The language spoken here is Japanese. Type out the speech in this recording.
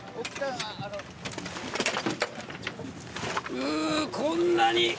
うぅこんなに！